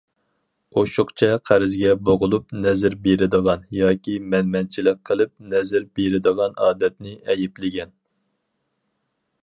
ئوشۇقچە قەرزگە بوغۇلۇپ نەزىر بېرىدىغان ياكى مەنمەنچىلىك قىلىپ نەزىر بېرىدىغان ئادەتنى ئەيىبلىگەن.